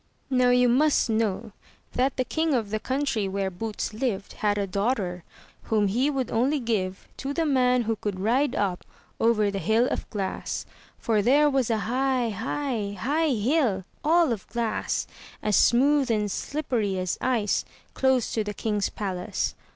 Now, you must know that the king of the country where Boots Uved had a daughter, whom he would only give to the man who could ride up over the hill of glass, for there was a high, high, high hill, all of glass, as smooth and slippery as ice, close to the king's palace.